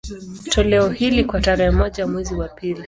Toleo hili, kwa tarehe moja mwezi wa pili